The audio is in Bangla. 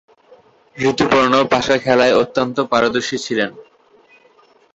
ঋতুপর্ণ পাশাখেলায় অত্যন্ত পারদর্শী ছিলেন।